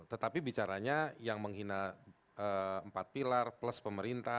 tetapi bicaranya yang menghina empat pilar plus pemerintah